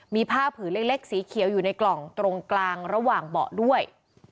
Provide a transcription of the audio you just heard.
มีผ้าผืนเล็กสีเขียวอยู่ในกล่องตรงกลางระหว่างเบาะด้วย